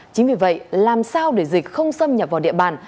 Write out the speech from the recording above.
chính vì vậy làm sao để dịch không xâm nhập vào địa bàn